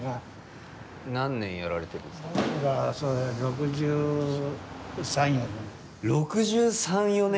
６３６４年！？